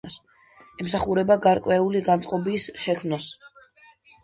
ემსახურება გარკვეული განწყობის შექმნას.